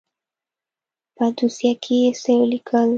په دوسيه کښې يې څه وليکل.